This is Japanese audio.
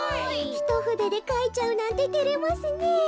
ひとふででかいちゃうなんててれますねえ。